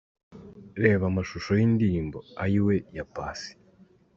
Reba amashusho y'indirimbo 'Ayiwe' ya Paccy.